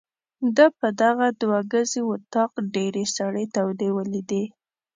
ده په دغه دوه ګزي وطاق ډېرې سړې تودې ولیدې.